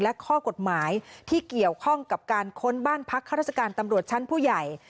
และข้อกฎหมายที่เกี่ยวข้องกับการค้นบ้านพักข้าราชการตำรวจชั้นผู้ใหญ่